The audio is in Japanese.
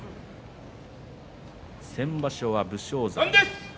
先場所は武将山。